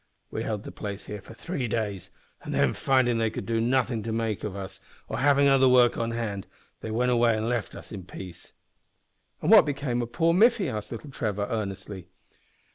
We held the place here for three days, an' then findin' they could make nothin' of us, or havin' other work on hand, they went away an' left us in peace." "An' what became o' poor Miffy?" asked little Trevor, earnestly.